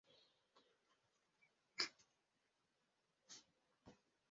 Baada ya kufika mkoani Morogoro ndipo akaanza masomo yake ya awali.